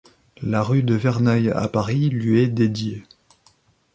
La rue de Verneuil à Paris lui est dédiée.